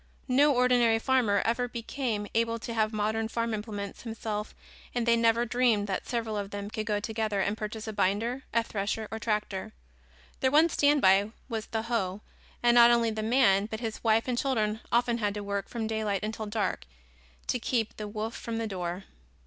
No ordinary farmer ever became able to have modern farm implements himself and they never dreamed that several of them could go together and purchase a binder, a thresher or tractor. Their one standby was the hoe and not only the man but his wife and children often had to work from daylight until dark to keep the wolf from the door.